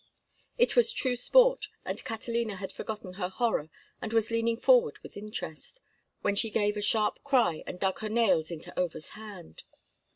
It was true sport, and Catalina had forgotten her horror and was leaning forward with interest, when she gave a sharp cry and dug her nails into Over's hand.